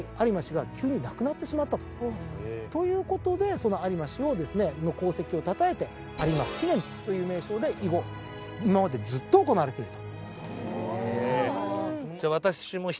ということでその有馬氏の功績をたたえて有馬記念という名称で以後今までずっと行われていると。